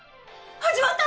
始まった！